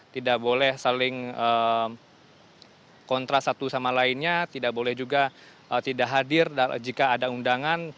tidak boleh saling kontra satu sama lainnya tidak boleh juga tidak hadir jika ada undangan